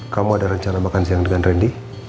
kamu ada rencana makan siang dengan randy